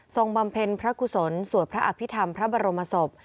บำเพ็ญพระกุศลสวดพระอภิษฐรรมพระบรมศพ